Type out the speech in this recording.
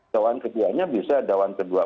dawaan ketiganya bisa dawaan kedua